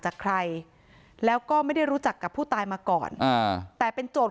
จากใครแล้วก็ไม่ได้รู้จักกับผู้ตายมาก่อนอ่าแต่เป็นโจทย